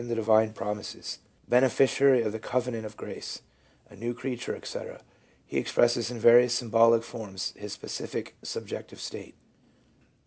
364 LEUBA : the divine promises," "beneficiary of the covenant of grace," " a new creature," etc., he expresses in various symbolic forms his specific subjective state.